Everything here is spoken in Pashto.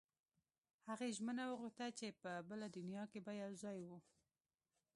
هغې ژمنه وغوښته چې په بله دنیا کې به یو ځای وو